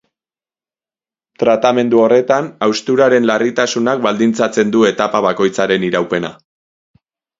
Tratamendu horretan, hausturaren larritasunak baldintzatzen du etapa bakoitzaren iraupena.